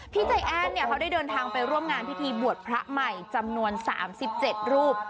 ใจแอ้นเนี่ยเขาได้เดินทางไปร่วมงานพิธีบวชพระใหม่จำนวน๓๗รูป